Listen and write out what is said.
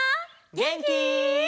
げんき？